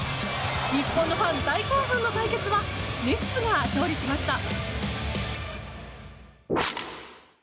日本ファン大興奮の対決はネッツが勝利しました。